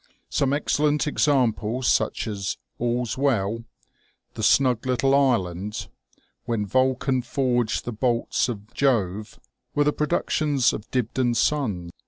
Some excellent examples, such as, " All's Well," " The Snug Little Island," When Vulcan forged the bolts of Jove," were the productions of Dibdin's son.